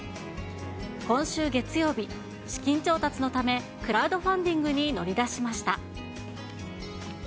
今週月曜日、資金調達のため、クラウドファンディングに乗り出しました。